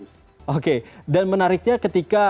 oke dan menariknya ketika